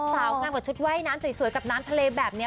สาวงามกับชุดว่ายน้ำสวยกับน้ำทะเลแบบนี้